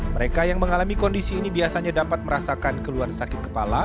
mereka yang mengalami kondisi ini biasanya dapat merasakan keluhan sakit kepala